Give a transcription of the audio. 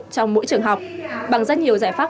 trong mỗi trường học bằng rất nhiều giải pháp